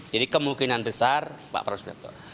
jadi kemungkinan besar pak prabowo subianto